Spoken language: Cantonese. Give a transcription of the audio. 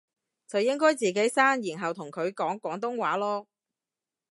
就應該自己生然後同佢講廣東話囉